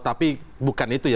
tapi bukan itu ya